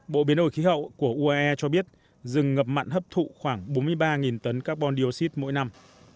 bộ biến đổi khí hậu của uae cho biết rừng ngập mặn hấp thụ khoảng bốn mươi ba tấn carbon dioxid mỗi năm